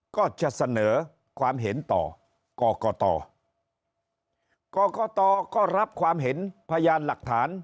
ก็จะเสนอความเห็นต่อกรกตกรกตก็รับความเห็นพยานหลักฐาน